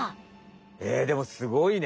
えでもすごいね！